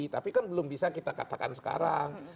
tapi kan belum bisa kita katakan sekarang